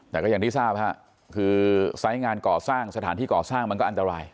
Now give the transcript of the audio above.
แต่ก็อย่างที่ทราบฮะคือไซส์งานก่อสร้างสถานที่ก่อสร้างมันก็อันตราย